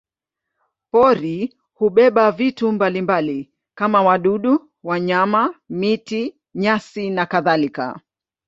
Pori hubeba vitu mbalimbali kama wadudu, wanyama, miti, nyasi nakadhalika.